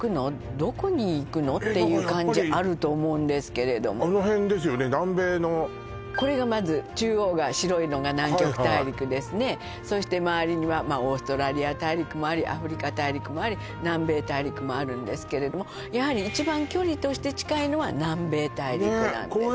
どこに行くの？っていう感じあると思うんですけれどもあの辺ですよね南米のこれがまず中央が白いのが南極大陸ですねそして周りにはオーストラリア大陸もありアフリカ大陸もあり南米大陸もあるんですけれどもやはり一番距離として近いのは南米大陸なんですね